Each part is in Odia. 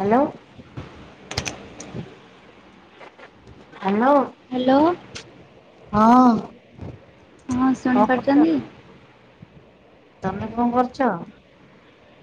ହାଲୋ। ହାଲୋ। ହାଲୋ। ହଁ। ହଁ ଶୁଣି କଣ କରୁଛ? ପାରୁଛନ୍ତି। ତମେ କଣ କରୁଛ?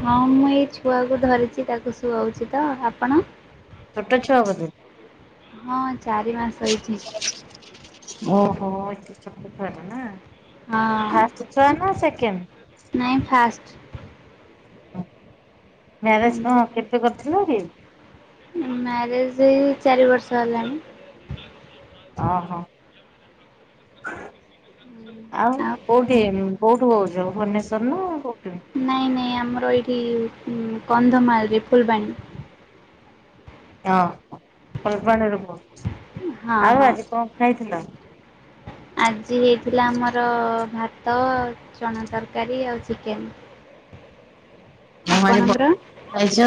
ହଁ ମୁଁ ଏଇ ଛୁଆକୁ ଧରିଛି ତାକୁ ଶୁଆଉଛି ତ ଆପଣ। ଛୋଟ ଛୁଆ ବୋଧେ। ହଁ ଚାରି ମାସ ହେଇଚି। ଓହୋ ଏଇଟା ଚତୁର୍ଥ ହେଲା ନା ହଁ ଫାଷ୍ଟ ଛୁଆ ନା ସେକେଣ୍ଡ। ନାଇଁ ଫାଷ୍ଟ। ମ୍ୟାରେଜ କଁ କେତେ କରିଥିଲ କି। ମ୍ୟାରେଜ ଏଇ ଚାରି ବର୍ଷ ହେଲାଣି। ଅ ହ। ହଁ ଆଉ କୋଉଠି କୋଉଠୁ କହୁଛ ଭୁବନେଶ୍ଵର ନା କୋଉଠୁ। ନାଇଁ ଆମର ଏଇଠି କନ୍ଧମାଳ ରେ ଫୁଲବାଣୀ। ଅ ହଁ ଫୁଲବାଣୀ ରୁ ହଁ କହୁଚ ଆଉ ହଁ। ଆଜି କଣ ଖାଇଥିଲ। ଆଜି ହେଇଥିଲା ଆମର ଭାତ ଚଣା ତରକାରୀ ଆଉ ଚିକେନ୍। ହଁ ଆଜି ବଢ଼ିଆ ଖାଇଛ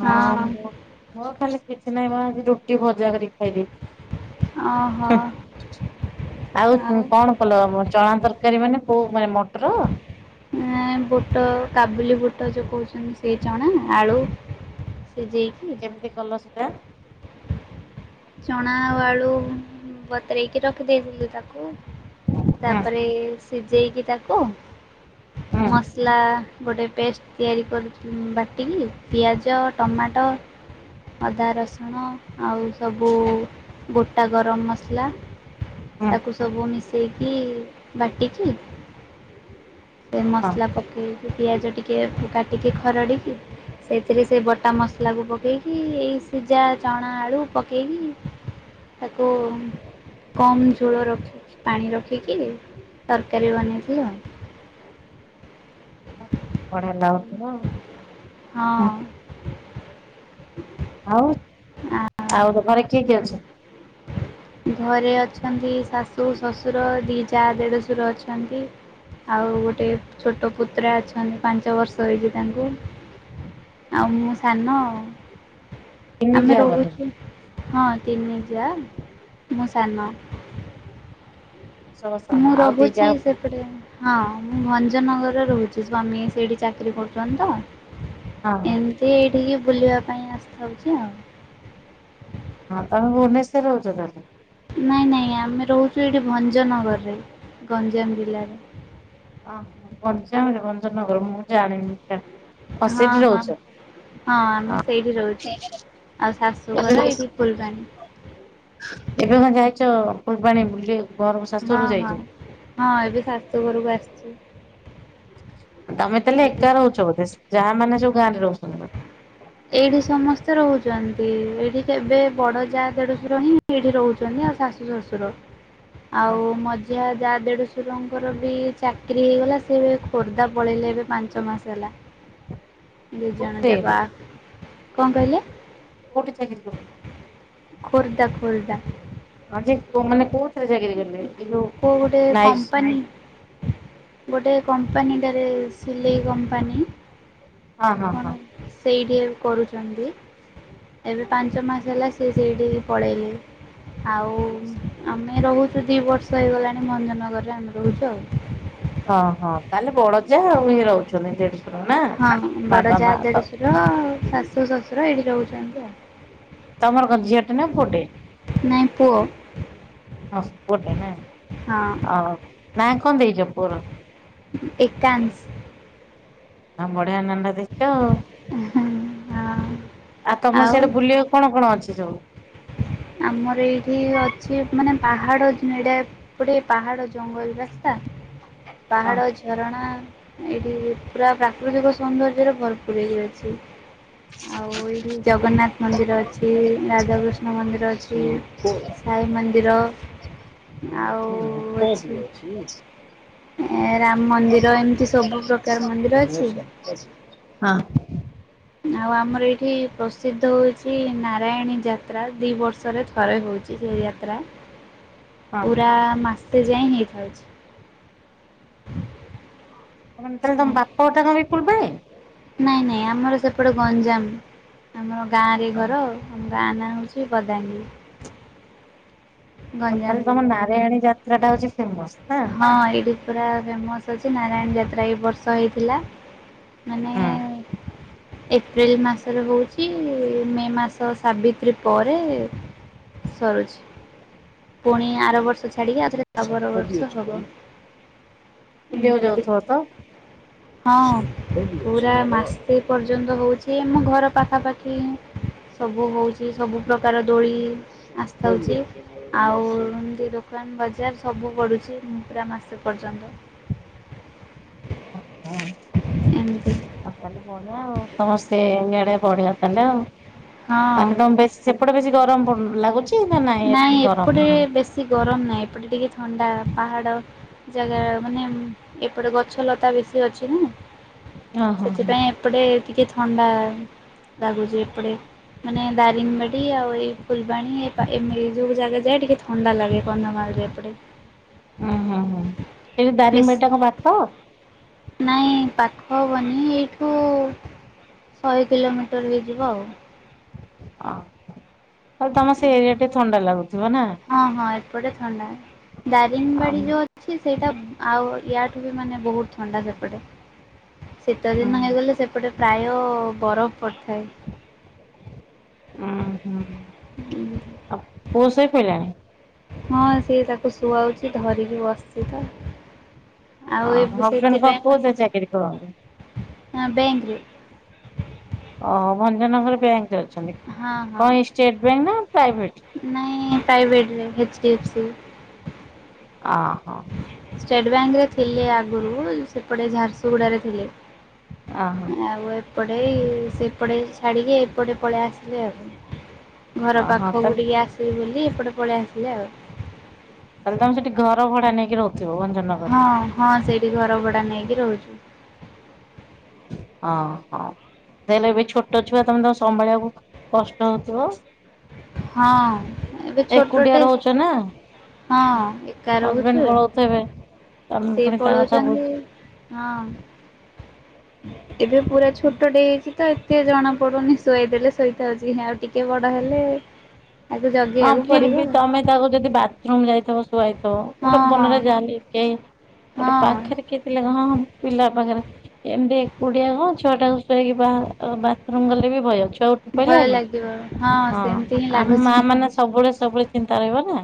ହଁ ମୋ ମୋର ଖାଲି। କିଛି ନହିଁ ମ ଆଜି ରୁଟି ଭଜା କରିକି ଖାଇ ଦେଇଛି। ଅ ହ। ଆଉ କଣ କଲ ଚଣା ତରକାରୀ ମାନେ କୋଉ ମାନେ ମଟର। ନାଇ ବୁଟ କାବୁଲି ବୁଟ ଯୋଉ କହୁଚନ୍ତି ସେଇ ଚଣା ଆଳୁ। ସିଯେଇକି। ତା। ଚଣା ଆଳୁ ବତୁରେଇକି ରଖି ଦେଇଥିଲୁ ତାକୁ। ହୁଁ ତାପରେ ସିଝେଇକି ତାକୁ। ହୁଁ ମସଲା ଗୋଟେ ପେଷ୍ଟ ତିଆରି କରି ବାଟିକି ପିଆଜ ଟମାଟୋ ଅଦା ରସୁଣ ଆଉ। ସବୁ ଗୋଟା ଗରମ ମସଲା ହୁଁ ତାକୁ ସବୁ ମିସେ ଇ ଦେଇକି ବାଟିକି ସେ ହଁ ମସଲା ପକେଇ। ପିଆଜ ଟିକେ ଫୁ କାଟିକି ଖରଡ଼ିକି। ସେଇଥିରେ ସେ ବଟା ମସଲା କୁ ପକେଇକି ଏଇ ସିଝା ଚଣା ଆଳୁ ପକେଇକି। ତାକୁ। କମ ଝୋଳ ରଖି ପାଣି ରଖିକି ତରକାରୀ ବନେଇଥିଲୁ ଆଉ। [inaudible] ହା ଲୋ। ହଁ। ଆଉ ଆ ଆଉ ଘରେ କିଏ କି ଅଛନ୍ତି। ଘରେ ଅଛନ୍ତି ଶାଶୁ ଶଶୁର ଦି ଯା ଦେଢଶୁର ଅଛନ୍ତି। ଆଉ ଗୋଟେ ଛୋଟ ପୁତୁରା ଅଛନ୍ତି ପାଞ୍ଚ ବର୍ଷ ହେଇଛି ତାଙ୍କୁ। ଆଉ ମୁଁ ସାନ ଆଉ। ତିନି ଆମେ ଯା ବୋଧେ ରହୁଛୁ ହଁ ତିନି ଯା। ମୁଁ ସାନ। ସବୁ ସାନ ମୁଁ ଆଉ ଦି ଯା ରହୁଛି ହଁ ସେପଟେ ହଁ ମୁଁ ଭଞ୍ଜ ଭଞ୍ଜ ନଗରରେ ରହୁଛି ସ୍ୱାମୀ ସେଇଠି ଚାକିରି କରୁଚନ୍ତି ତ ହଁ ଏମିତି ଏଇଠିକି। ବୁଲିବା ପାଇଁ ଆସିଥାଉଛି ଆଉ। ହଁ ତମେ ଭୁବନେଶ୍ୱରରେ ରହୁଛ ତାହେଲେ। ନାଇଁ ନାଇଁ ଆମେ ରହୁଛୁ ଏଠି ଭଞ୍ଜନଗରରେ ଗଞ୍ଜାମ ଜିଲ୍ଲାରେ। ଅ ହ ଗଞ୍ଜାମ ରେ ଭଞ୍ଜନଗର ମୁଁ ଜାଣିନି ସିଆଡେ ଓ ହଁ ସେଇଠି ହଁ ରହୁଚ। ହଁ ଆମେ ସେଇଠି ରହୁଛୁ ଆଉ ଏବେ ଶାଶୁଘର ଏଇଠି ଫୁଲବାଣୀ। ଏବେ କଣ ଯାଇଛ ଫୁଲବାଣୀ ବୁଲିବାକୁ। ହଁ ହଁ ହଁ ଏବେ ଶାଶୁ ଘରକୁ ଆସିଛି। ତମେ ତାହେଲେ ଏଇଠି ଏକା ରହୁଚ ବୋଧେ ଯାଆ ମାନେ ସବୁ। ଗାଁରେ ରହୁଛନ୍ତି। ଏଇଠି ସମସ୍ତେ। ରହୁଛନ୍ତି ଏଇଠି କେବେ ବଡ ଯା ଦେଢଡଶୁର ହିଁ ଏଇଠି ରହୁଛନ୍ତି ଆଉ ଶାଶୁ ଶଶୁର। ହଁ ଆଉ ମଜା ଯା ଦେଢଶରଙ୍କର ବି ଚାକିରରି ହେଇଗଲା ସେ ଏ ଖୋର୍ଦ୍ଧା ପଳେଇଲେ ଏବେ ପାଞ୍ଚ ମାସ ହେଲା। ଦୁ ଜଣ କୋଉଥିରେ ଜାଗ କଣ କହିଲେ? କୋଉଠି ଚାକିରି କରିଲେ? ଖୋର୍ଦ୍ଧା ଖୋର୍ଦ୍ଧା। ଆ ମାନେ କୋଉଥିରେ ଚାକିରି କଲେ ଏଇ ଯୋ କୋଉ ଗୋଟେ ନାଇ କମ୍ପାନୀ ଗୋଟେ କମ୍ପାନୀଟାରେ ସିଲେଇ କମ୍ପାନୀ ହଁ ହଁ କଣ ହଁ। ସେଇଠି ବି କରୁଛନ୍ତି ଏବେ ପାଞ୍ଚ ମାସ ହେଲା ସେ ସେଇଠିକି ପଳେଇଲେ। ଆଉ ଆମେ ରହୁଛୁ ଦି ବର୍ଷ ହେଇଗଲାଣି ମଞ୍ଜନଗରରେ ଆମେ ରହୁଛୁ ଆଉ। ଓ ହଁ ତାହେଲେ ବଡଜା ଆଉ ଇ ରହୁଛନ୍ତି ସେଠି? ହଁ ବଡ ଯା ଦେଡଶୁର ଶାଶୁ ଶଶୁର ଏଇଠି ରହୁଛନ୍ତି ଆଉ। ତମର କଣ ଝିଅ ଟେ ନା ପୁଅ ଟେ? ନାଇଁ ପୁଅ। ହ ପୁଅଟେ ନା ହଁ ନା କଣ ଦେଇଛ ପୁଅର? ଏକାଂଶ। ଆଉ ଭଡ଼ିଆ ନା ଟା ଦେଇଚ ଆଉ। ହଁ। ଆଉ ତମର ସେଇଟେ ବୁଲିବା କଣ କଣ ଅଛି ସବୁ? ଆମର ଏଇଠି ଅଛି ମାନେ ପାହାଡ ଏଡ ଗଡେ ପାହାଡ ଜଙ୍ଗଲ ରାସ୍ତା ହଁ। ପାହାଡ ଝରଣା ଏଇଠି ପୁରା ପ୍ରାକୃତିକ ସୌନ୍ଦର୍ଯ୍ୟରେ ଭରପୁର ହେଇକି ଅଛି। ଆଉ ଏଇଠି ଜଗନ୍ନାଥ ମନ୍ଦିର ଅଛି ରାଧାକୃଷ୍ଣ ମନ୍ଦିର ସାଇ ମନ୍ଦିର ଆଉ ଏ ରାମ ମନ୍ଦିର ଏମିତି ସବୁ ପ୍ରକାର ମନ୍ଦିର ଅଛି ହଁ। ଆଉ ଆମର ଏଇଠି ପ୍ରସିଦ୍ଧ ହଉଛି ନାରାୟଣୀ ଯାତ୍ରା ଦି ବର୍ଷରେ ଥରେ ହେଉଛି। ଯାତ୍ରା ହଁ ପୁରା ମାସେ ଯାଏ ହେଇଥାଉଛି। ତାହେଲେ ତମ ବାପ ଘର ଟା କଣ ଇ ପୂର୍ବେ? ନାଇଁ ନାଇଁ ଆମର ସେପଟେ ଗଞ୍ଜାମ ଆମର ଗାଁରେ ଘର ଆ ଗା ନା ହେଉଛି ବଦାମୀ। ହଁ ତାହେଲେ ତମ ନାରୟଣୀ ଯାତ୍ରା ଟା ହଉଛି ଫେମସ ନା ହଁ ପୁରା ଫେମସ୍। ଜୀ ନାରାୟଣ ଯାତ୍ରା ଏ ବର୍ଷ ହେଇଥିଲା ମାନେ ହଁ ଏପ୍ରିଲ ମାସରେ ହଉଛି ମେ ମାସ ସାବିତ୍ରୀ ପରେ ସରୁଛି ପୁଣି ଆର ବର୍ଷ ଛାଡିକି ଆଉଥରେ ତା ପର ବର୍ଷ ହବ। ବୁଲି ବାକୁ ଏମିତି ଯାଉଥିବା ତ? ହଁ ପୁରା ମାସେ ପର୍ଯ୍ୟନ୍ତ ହଉଛି ଆମ ଘର ପାଖାପାଖି ସବୁ ହଉଛି ସବୁ ପ୍ରକାର ଦୋଳି ଆସିଥାଉଛି ଆଉ ଏମତି ଦେଖ ଦୋକାନ ବଜାର ସବୁ ପଡ଼ୁଛି ପୁରା ମାସେ ପର୍ଯ୍ୟନ୍ତ। ଏମିତି ବଢିଆ ଆଉ ସମସ୍ତେ ଇଡେ ବଢିଆ ହେଲୋ ଆଉ ତମ ହଁ ସେପଟେ ବେଶୀ ସେପଟେ ବେଶୀ ଗରମ ଲାଗୁଛି? ନା ଏତେ ନାଇଁ ଗରମ? ଏପଟେ ବେଶୀ ଗରମ ନାହିଁ ଏପଟେ ଟିକେ ଥଣ୍ଡା ପାହାଡ ଜାଗା ମାନେ ଏପଟେ ଗଛ ଲତା ବେଶୀ ଅଛି ନା ହଁ ହଁ ହଁ। ସେଥିପାଇଁ ଏପଟେ ଟିକେ ଥଣ୍ଡା ଲାଗୁଛି ଏପଟେ ମାନେ ଦାରିଙ୍ଗବାଡ଼ି ଆଉ ଏଇ ଫୁଲବାଣୀ ଏମିତି ଯୋଉ ଜାଗା ଯାଏ ଟିକେ ଥଣ୍ଡା ଲାଗେ କନ୍ଧମାାର ଏପଟେ। ଉଁ ହୁଁ ହୁଁ ସେଇଠି ବେଶ ଦାରିଙ୍ଗ ବାଡ଼ି ଟା କଣ ପାଖ? ନାଇଁ ପାଖ ହବନି ଏଇଠୁ ଶହେ କିଲୋମିଟର ହେଇଯିବ ଆଉ। ତାହଲେ ତମର ସେ ଏରିଆ ଟେ ଥଣ୍ଡା ଲାଗୁଥିବ ନା। ଏ ପଟେ ଥଣ୍ଡା ଦାରିଙ୍ଗ ଆଉ ବାଡି ଯୋଉ ଅଛି ସେଇଟା ଆଉ। ୟାଠୁ ବି ମାନେ ବହୁତ ଥଣ୍ଡା ସେପଟେ ଶୀତ ଉଁ ଦିନ ହେଇଗଲେ ସେପଟେ। ପ୍ରାୟ ବରଫ ପଡ଼ିଥାଏ। ହଁ ହୁଁ। ହୁଁ। ଆଉ ପୁଅ ସୋଇ ପଇଲାଣି। ହଁ ସିଏ ତାକୁ ଶୁଆଉଛି ଧରିକି ବସିଛି। ଆଉ ଏ ହଜବେଣ୍ଡ କଣ ସେଥିପାଇଁ ମ କୋଉଥିରେ ଚାକିରି କରନ୍ତି? ହ ବେଙ୍କ ରେ। ଓହ ଭଞ୍ଜନଗର ବ୍ୟାଙ୍କ ଅଛି। ଅଛନ୍ତି। ହଁ ହଁ କଣ ଏଇ ଷ୍ଟେଟ ପ୍ରାଇଭେଟ? ନାଇଁ ପ୍ରାଇଭେଟରେ। ଟିପ୍ସ। ଆ ହ। ଷ୍ଟେଟ ବ୍ୟାଙ୍କ ରେ ଥିଲେ ଆଗରୁ ସେପଟେ ଝାରସୁଗୁଡ ରେ ଥିଲେ। ଅହ ଆଉ ଏ। ଏପଟେ ସେପଟେ ଛାଡିକି ଏପଟେ ପଳେଇ ଆସିଲେ ଆଉ। ଘର ଅହ ପାଖକୁ ତାହେଲେ ଟିକେ ଆସିବି ବୋଲି ଏପଟେ ପଳେଇ ଆସିଲେ ଆଉ। ତାହେଲେ ତମେ ସେଠି ଘର ଭଡା ନେଇକି ରଖଥିବ ଭଞ୍ଜନଗରରୁରେ। ହଁ ହଁ ସେଇଠି ଘର ଭଡା ନେଇକି ରହୁଛୁ। ହଁ ହଁ। ଦେହଲେ ଏବେ ଛୋଟ ଛୁଆ ତମେ ତ ସମ୍ଭାଳିବାକୁ କଷ୍ଟ ହଉଥିବ। ହଁ ଏବେ ଏକୁଟିଆ ଛୋଟଟେ ରହୁଚୁ ନା ହଁ ଏକା ରହୁଛୁ ହଜବେଣ୍ଡ ପଳଉଥବେ। ତମେ ସେ ପୁଣି ତା କଥା ପଳଉଛନ୍ତି ହଁ ବୁଝୁ ଏବେ ପୁରା ଛୋଟେ ହେଇଛି ତ ଏତେ ଜଣା ପଡୁନି ଶୁଆଇ ଦେଲେ ଶୋଇଥାଉଛି ଆଉ ଟିକେ ବ ବଡ ହେଲେ। ଆକୁ ହଁ ଜଗିବାକୁ ଫିର ପଡିବ ବି ତମେ ତାକୁ ଯଦି ବାଥରୁମ ଯାଇଥିବ ଶୁଆଇଥିବ ଗୋଟେ ଆଉ ହଁ ମନରେ ଯାହାଲେ କେହି ଗୋଟେ ହଁ ପାଖରେ ହଁ କେ ଥିଲେ କଣ ହ ପିଲା ପାଖରେ ଏମତି କୁଡିଆ କଣ ଛଅଟାକୁସଇକି ବା ବାଥରୁମ୍ ଗଲେ ବି ଭୟ ଅଛି। ଚଉଠି ପହିଲା ଭୟ ହେ ଲାଗିବ ହଁ ସେମିତି ହିଁ ଆମ ମା ଲାଗୁଛି ମାନେ ସବୁବେଳେ ସବୁବେଳେ ଚିନ୍ତା ରହିବ ନା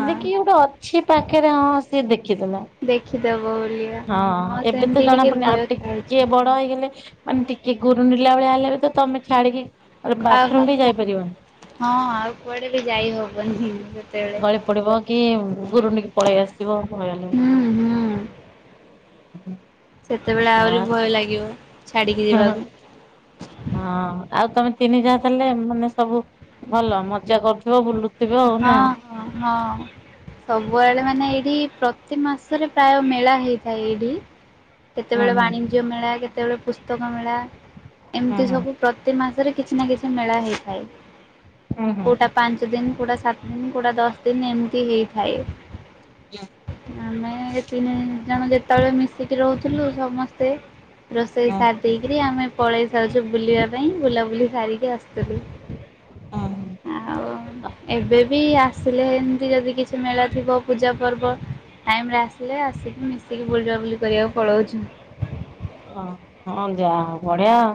ଏମିତି କି ଗୋଟେ ଅଛି ପାଖରେ ହଁ ସିଏ ଦେଖ ଦେଖି ଦେଲା। ଦେଖିଦବ ବୋଲିଆ ହଁ ଏବେ ତ ସେମିତି ଜଣା ଟିକେ ପଡନି ଆଉ ଭୟ ଟିକେ ଥାଉଛି ବଡ ହେଇଗଲେ ମାନେ ଟିକେ ଗୁରୁ ଗୁରିଣ୍ଡିଲା ଭଳିଆ ହେଲେ ତ ତମେ ଛାଡିକି ବାଥରୁମ ଆହୁ ବି ଯାଇପାରିବନି। ହଁ ଆଉ କୁଆଡେ ବି ଯାଇ ହବନି ସେତେବେଳେ ଗଳି ପଡିବ କି ଗୁରୁଣ୍ଡିକ ପଳେଇ ଆସିବ। ଭୟ ନୁଁ। ହୁଁ ହୁଁ। ସେତେବେଳେ ଆହୁରି ଆଁ ଭୟ ଲାଗିବ ଛାଡିକି ହଁ ଯିବାକୁ। ହଁ ଆଉ ତମେ ତିନି ଯା ଦେଲେ ମାନେ ସବୁ ଭଲ ମଜା କରୁଥିବ ବୁଲୁ। ହଁ ହଁ ହଁ ସବୁବେଳେ ମାନେ ଏଇଠି ପ୍ର ପ୍ରତି ମାସରେ ପ୍ରାୟ ମେଳା ହେଇଥାଏ ଏଇଠି ହୁଁ କେତେବେଳେ ହୁଁ ବାଣିଜ୍ୟ ମେଳା କେତେ ଯେତେବେଳେ ପୁସ୍ତକ ମେଳା ହୁଁ ଏମିତି ସବୁ ହୁଁ ପ୍ରତି ମାସରେ କିଛି ନା କିଛି। ମେଳା ହେଇଥାଏ ହୁଁ କୋଉଟା ପାଞ୍ଚ ଦିନ। କେଉଁଟା ସାତ ଦିନ କେଉଁଟା ଦଶ ଦିନ ଏମିତି ହେଇଥାଏ। ଆମେ ଏ ତିନି ଜଣ ଯେ ସେତେବେଳେ ମିଶିକି ରହୁଥିଲୁ ସମସ୍ତେ ରୋଷେଇ ହୁଁ ସାର ଦେଇକରି ଆମେ ପଳେଇ ଛୁ ବୁଲିବା ପାଇଁ ବୁଲାବୁଲି ସାରିକି ଆସୁ। ହଁ ଆଉ ଆ। ଏବେ ବି ଆସିଲେ ଏମତି ଯଦି କିଛି ମେଳା ଥିବ ପୂଜା ପର୍ବ ଟାଇମ ରେ ଆସିଲେ ଆସିକି ମିଶିକି ବୁଲିବା ବୁଲି କରିବାକୁ ପଳାଉଛୁ। ଓ ହଁ ଯା ହଉ ବଢିଆ ଆଉ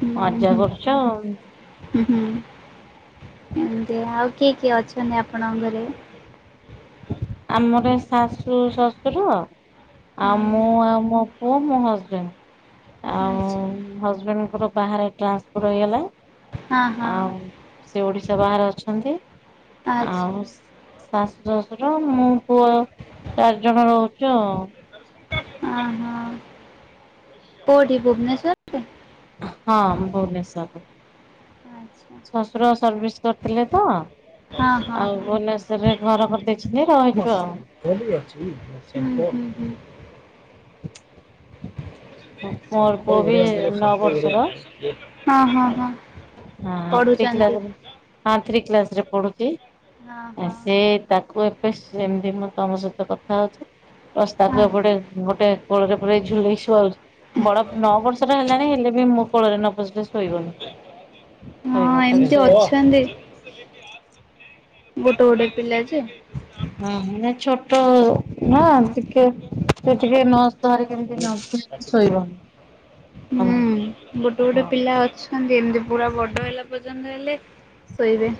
ହୁଁ ମଜ୍ଜା ହୁଁ କରୁଚ। ହୁଁ ହୁଁ ଏମିତି ଆଉ କିଏ କିଏ ଅଛନ୍ତି ଆପଣ ଘରେ? ଆମର ଶାଶୁ ଶଶୁର ଆଉ ହଁ ମୁଁ ଆଉ ମୋ ପୁଅ ମୋ ହଜବେଣ୍ଡ। ଆଉ ଆଚ୍ଛା ହଜବେଣ୍ଡଙ୍କର ବାହାରେ ଟ୍ରାନ୍ସଫର ହେଇଗଲା। ହଁ ହଁ ଆଉ ସେ ଓଡିଶା ବାହାରେ ଅଛନ୍ତି। ଆଚ୍ଛା ଆଉ ଶାଶୁ ଶଶୁର ମୁଁ ପୁଅ ଚାରି ଜଣ ରହୁଛି ଆଉ। ଓ ହଁ। କୋଉଠି ଭୁବନେଶ୍ୱର ରେ? ହଁ ଭୁବନେଶ୍ୱର। ଆଚ୍ଛା। ସର୍ଭିସ କରିଥିଲେ ତ, ହଁ ହଁ ଆଉ ହଁ। ଭୁବନେଶ୍ଵରରେ ଘର କରିଦେଇଛନ୍ତି ହୁଁ ରହିଛୁ ଆଉ। [unintelligible] ମୋର ପୁଅ ବି ନଅ ବର୍ଷର। ହଁ ହଁ ଆଉ ହଁ ହଁ ଥ୍ରୀ ପଢୁଛନ୍ତି କ୍ଲାସ୍ ରେ ହଁ ଥ୍ରୀ କ୍ଲାସରେ ପଢୁଛି। ହଁ ଆ ହଁ ସେ ତାକୁ ଏବେ ସେମିତି ମୁଁ ତମ ସହିତ କଥା ହଉଛି ରାସ୍ତାକୁ ହଁ। ଏପଟେ ଗୋଟେ କୋଳରେ ପୁରେଇ ଝୁଲେଇ ସୁଆଉଛି। ବଡ ନଅ ବର୍ଷ ର ହେଲାଣି ହେଲେ ବି ମୋ କୋଳରେ ନ ପସିଲେ ଶୋଇବନି। ହଁ ଶୋଇବ ତାକୁ ଏମତି ଶୋଇବ। ଅଛନ୍ତି ଗୋ ଗୋଟେ ଗୋଟେ ପିଲା ଯେ। ତ ନା ଟିକେ ସେ ଟିକେ ନ ଧରିକି କେମିତି [unintelligible] ଶୋଇବ। ହୁଁ ଗୋଟେ ଗୋଟେ ପିଲା ଅଛନ୍ତି ଏମତି ପୁରା ବଡ ହେଲା ପର୍ଯ୍ୟନ୍ତ ହେଲେ ଶୋଇବେ।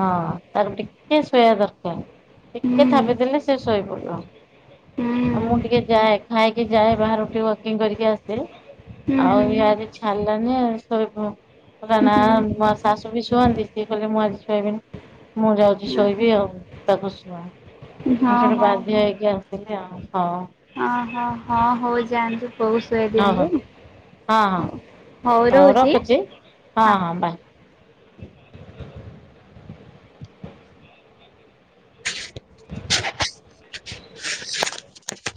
ହଁ ତାର ଟିକେ ଶୋଇବା ଦରକାର। ଟିକେ ହୁଁ ଥାପିଦେଲେ ଶେ ଶୋଇପଡିବ। ହୁଁ ଆଉ ମୁଁ ଟିକେ ଯାଏ ଖାଇକି ଯାଏ ବାହାରୁ ଟିକେ ୱାକିଂ କରିକି ଆ ହୁଁ ଆଉ ଇଏ ହୁଁ ଆଜି ଛାଡ଼ିଲାନି ଶୋଇ ପ କହିଲା ନା ହୁଁ ମୋ ଶାଶୁ ବି ଶୁଅନ୍ତି, ସିଏ କହିଲେ ମୁଁ ଆଜି ଶୋଇବିନି। ମୁଁ ଯାଉଛି ଶୋଇବି ଆଉ ତାକୁ ଶୁଆ। ହଁ ମୁଁ ସେଇଠୁ ବାଧ୍ୟ ହେଇକି ଆସିଲି ଆଉ। ହଉ। ଓହୋ ହଁ ହଉ ଯାଆନ୍ତୁ କହୁ ଶୁଆଇ ହଉ ଦିଅନ୍ତୁ। ହଉ ହଁ ହଁ ହଉ ରହୁଛି। ହଁ। [inaudible] [inaudible]